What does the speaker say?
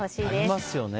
ありますよね。